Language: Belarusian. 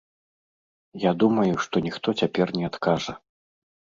Я думаю, што ніхто цяпер не адкажа.